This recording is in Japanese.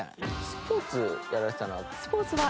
スポーツやられてたのは？